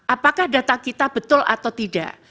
apakah data kita betul atau tidak